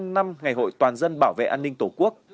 bảy mươi năm năm ngày hội toàn dân bảo vệ an ninh tổ quốc